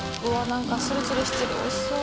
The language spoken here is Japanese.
何かつるつるしてるおいしそう。